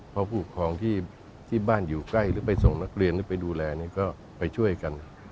เพราะผู้ปกครองที่บ้านอยู่ใกล้หรือไปส่งนักเรียนหรือไปดูแลก็ไปช่วยกัน